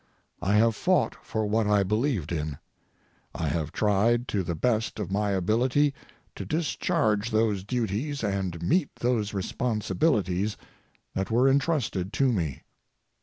I have fought for what I believed in. I have tried to the best of my ability to discharge those duties and meet those responsibilities that were entrusted to me.